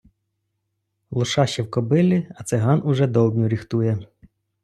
Лоша ще в кобилі, а циган уже довбню ріхтує.